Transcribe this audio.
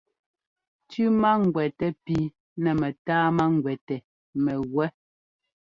Tʉ́ máŋguɛtɛ pǐ nɛ mɛtáa máŋguɛtɛ mɛgúɛ́.